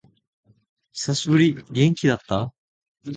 久しぶり。元気だった？